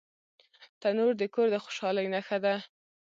تنور د کور د خوشحالۍ نښه ده